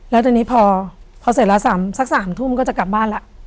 แล้วตอนนี้พอเสร็จละสามสักสามทุ่มก็จะกลับบ้านล่ะ